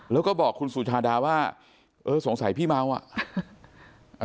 แล้วก็บอกคุณสุชาดาว่าเออสงสัยพี่เมาอ่ะ